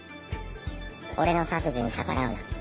俺の指図に逆らうな。